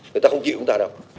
người ta không chịu chúng ta đâu